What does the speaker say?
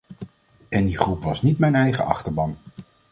En die groep was niet mijn eigen achterban!